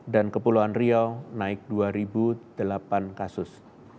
dan kepulauan riau naik dua delapan kasus